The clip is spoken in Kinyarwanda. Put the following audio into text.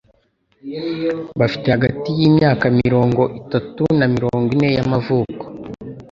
bafite hagati y'imyaka mirongo itatu na mirongo ine y'amavuko.